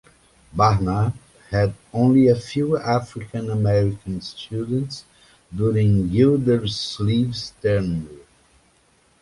Barnard had only a few African-American students during Gildersleeve's tenure.